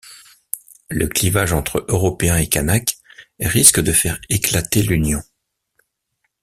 Le clivage entre Européens et Kanak risque de faire éclater l'union.